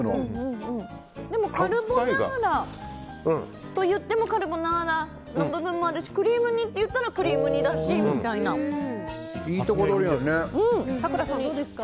でもカルボナーラといってもカルボナーラの部分もあるしクリーム煮といったらクリーム煮だしというか。